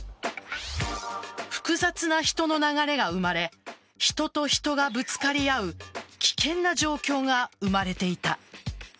複雑な人の流れが生まれ人と人がぶつかり合う危険な状況が生まれていた。